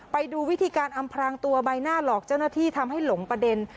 ไปดูวิธีการอำพรางตัวใบหน้าหลอกเจ้าหน้าที่ทำให้หลงประเด็น